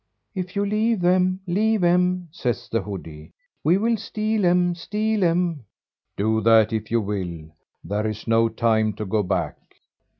"If you leave 'em, leave 'em," says the hoodie, "we will steal 'em, steal 'em." "Do that if you will; there is no time to go back."